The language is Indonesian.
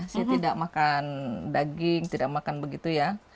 saya tidak makan daging tidak makan begitu ya